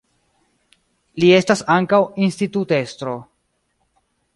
Li estas ankaŭ institutestro.